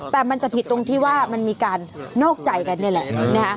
แต่มันจะผิดตรงที่ว่ามันมีการนอกใจกันนี่แหละ